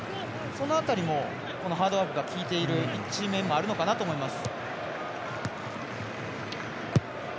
その辺りもハードワークが利いている一面もあるのかなと思います。